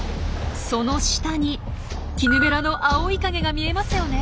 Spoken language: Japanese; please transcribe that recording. その下にキヌベラの青い影が見えますよね。